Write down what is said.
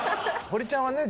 堀ちゃんはね